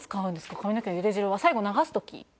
髪の毛ゆで汁は最後流す時？